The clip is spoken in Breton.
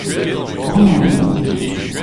amañ emañ.